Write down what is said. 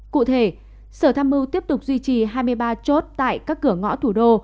cụ thể sở tham mưu tiếp tục duy trì hai mươi ba chốt tại các cửa ngõ thủ đô